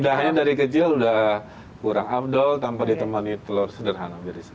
mudah hanya dari kecil udah kurang abdol tanpa ditemani telur sederhana